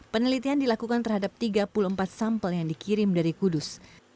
penelitian dilakukan terhadap tiga puluh empat sampel yang dikirim dari kudus